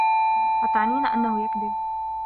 أتعنين أنّه يكذب؟